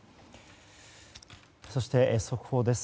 そして、速報です。